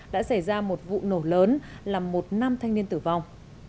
đã xảy ra một vụ nổ lớn làm một nam thanh niên tử vong